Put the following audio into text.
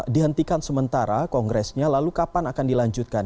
dihentikan sementara kongresnya lalu kapan akan dilanjutkan